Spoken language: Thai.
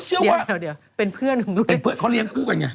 เดี๋ยวเขาเรียนคู่กันไง